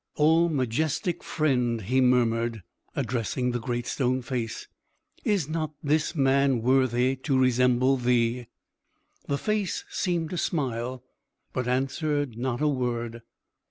"O majestic friend," he murmured, addressing the Great Stone Face, "is not this man worthy to resemble thee?" The Face seemed to smile, but answered not a word.